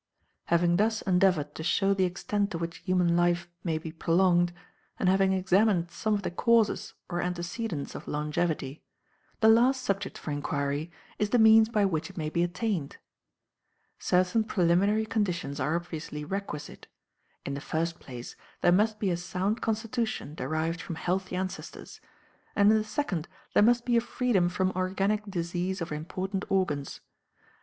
Having thus endeavoured to show the extent to which human life may be prolonged, and having examined some of the causes or antecedents of longevity, the last subject for inquiry is the means by which it may be attained. Certain preliminary conditions are obviously requisite; in the first place there must be a sound constitution derived from healthy ancestors, and in the second there must be a freedom from organic disease of important organs.